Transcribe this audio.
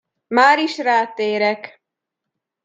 Máris rátérek!